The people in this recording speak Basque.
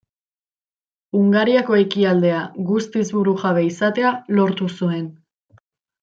Hungariako ekialdea guztiz burujabe izatea lortu zuen.